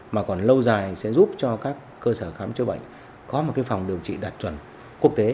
mà còn lâu dài sẽ giúp cho các cơ sở khám chữa bệnh có một phòng điều trị đạt chuẩn quốc tế